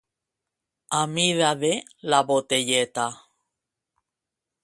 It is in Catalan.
A mida de «la Botelleta».